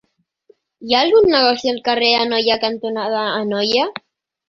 Hi ha algun negoci al carrer Anoia cantonada Anoia?